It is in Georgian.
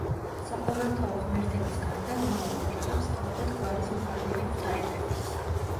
საყოველთაო ღმერთების გარდა რომაულ ოჯახებს ჰყავდათ გვარის მფარველი ღვთაებებიც.